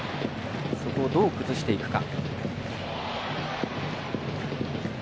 そこを、どう崩していくか。